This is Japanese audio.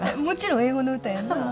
もちろん英語の歌やんな？